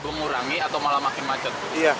mengurangi atau malah makin macet